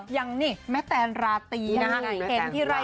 ยังนี่แม่แตนราตีนี่เลย